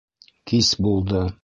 Кис булды.